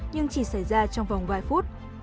nhưng chỉ xảy ra trong vòng vài phút